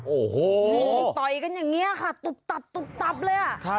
โอ้โหต่อยกันอย่างนี้ค่ะตุบตับเลยอะ